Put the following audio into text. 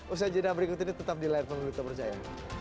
usaha jendela berikut ini tetap di live pemerintah percaya